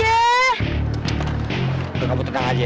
udah biarin aja